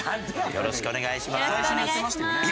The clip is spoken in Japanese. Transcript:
よろしくお願いします。